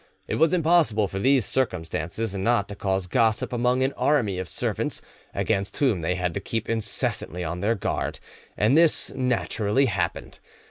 It was impossible for these circumstances not to cause gossip among an army of servants, against whom they had to keep incessantly on their guard; and this naturally happened.